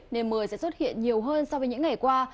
nên mưa sẽ xuất hiện nhiều hơn so với những ngày qua